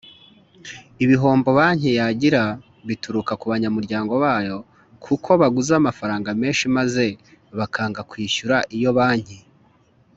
ibihombo banki yagira bituruka kubanyamuryango bayo kuko baguza amafaranga menshi maze bakanga kwishyura iyo banki